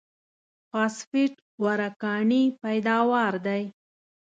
فاسفېټ غوره کاني پیداوار دی.